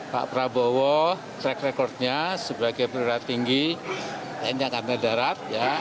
pak prabowo track record nya sebagai penduduk tinggi dan yang antar darat